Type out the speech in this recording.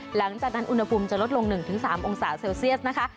หลังจากนั้นอุณหภูมิจะลดลง๑๓องศาเซลเซียสนะคะ